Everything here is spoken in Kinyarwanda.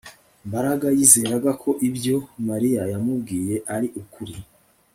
Mbaraga yizeraga ko ibyo Mariya yamubwiye ari ukuri